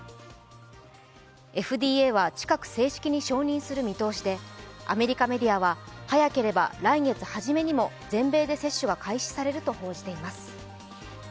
ＦＤＡは近く正式に承認する見通しで、アメリカメディアは、早ければ来月初めにも全米で接種が開始されると報じています。